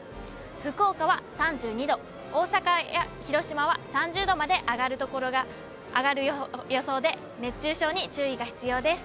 福岡は３２度、大阪や広島は３０度まで上がる所が、上がる予想で、熱中症に注意が必要です。